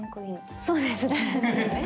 そうですね。